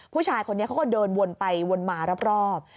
ผู้ชายคนนี้เขาก็เดินวนไปวนมารอบ